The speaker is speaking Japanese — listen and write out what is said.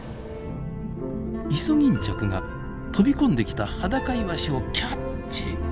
イソギンチャクが飛び込んできたハダカイワシをキャッチ！